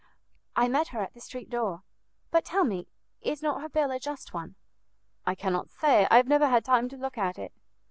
"I met her at the street door. But tell me, is not her bill a just one?" "I cannot say; I have never had time to look at it."